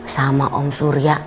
sama om surya